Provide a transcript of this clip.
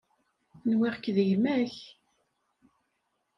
Nwiɣ-k d gma-k.